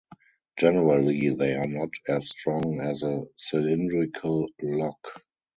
Generally, they are not as strong as a cylindrical lock.